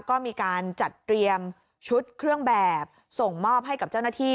ก็มีการจัดเตรียมชุดเครื่องแบบส่งมอบให้กับเจ้าหน้าที่